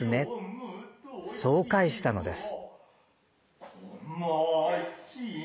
そう返したのです。